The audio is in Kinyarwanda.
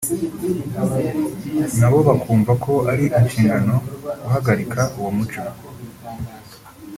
na bo bakumva ko ari inshingano guhagarika uwo muco